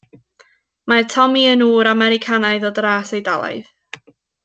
Mae Tommy yn ŵr Americanaidd o dras Eidalaidd.